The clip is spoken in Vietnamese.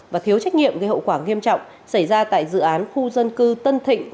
và thiếu trách nhiệm gây hậu quả nghiêm trọng xảy ra tại dự án khu dân cư tân thịnh